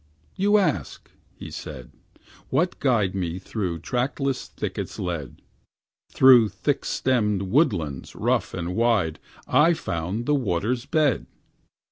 'You ask,' he said, 'what guide Me through trackless thickets led, Through thick stemmed woodlands rough and wide. I found the water's bed.